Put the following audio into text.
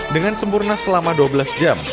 dengan sempurna selama dua belas jam